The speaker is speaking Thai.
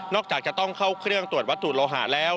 นอกจากจะต้องเข้าเครื่องตรวจวัดศูนย์โลหะแล้ว